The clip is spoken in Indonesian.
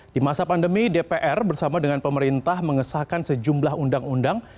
di masa pandemi dpr bersama dengan pemerintah mengesahkan sejumlah undang undang